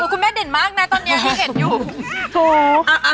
คุณแม่่เด่นมากตอนนี้คราวที่เห็นอยู่